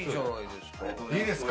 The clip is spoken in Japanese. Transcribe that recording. いいですか？